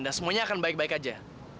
dan semuanya akan baik baik aja